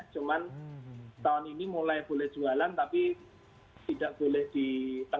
cuman tahun ini mulai boleh jualan tapi tidak boleh di tempat